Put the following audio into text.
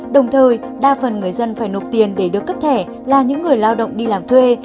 đồng thời đa phần người dân phải nộp tiền để được cấp thẻ là những người lao động đi làm thuê